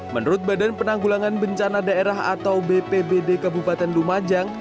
menurut badan penanggulangan bencana daerah atau bpbd kabupaten lumajang